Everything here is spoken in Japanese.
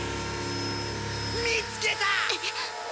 見つけた！